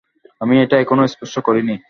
আমি এটা এখনও স্পর্শ করিনি।